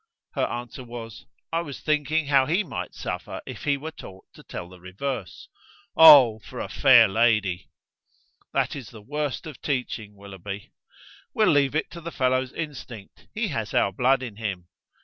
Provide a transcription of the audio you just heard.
Her answer was: "I was thinking how he might suffer if he were taught to tell the reverse." "Oh! for a fair lady!" "That is the worst of teaching, Willoughby." "We'll leave it to the fellow's instinct; he has our blood in him.